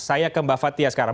saya ke mbak fathia sekarang